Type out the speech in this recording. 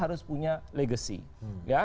dia harus punya legacy